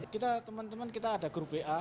kita teman teman kita ada grup wa